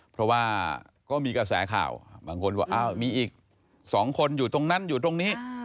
เพราะว่าก็มีกระแสข่าวบางคนบอกมีอีก๒คนอยู่ตรงนั้นอยู่ตรงนี้